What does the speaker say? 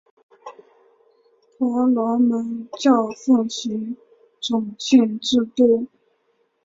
婆罗门教奉行种姓制度。